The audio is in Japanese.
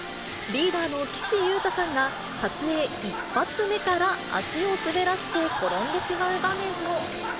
リーダーの岸優太さんが、撮影１発目から、足を滑らして転んでしまう場面も。